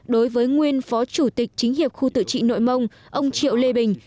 đối với nguyên phó chủ tịch chính hiệp khu tự trị nội mông ông triệu lê bình